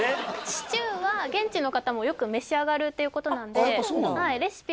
シチューは現地の方もよく召し上がるということなんでああ